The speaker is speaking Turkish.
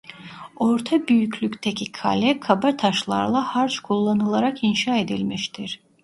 Orta büyüklükteki kale kaba taşlarla harç kullanılarak inşa edilmiştir.